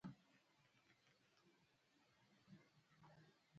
نو ته د نغمې په پرده کې راشه.